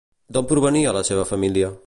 D'on provenia la seva família?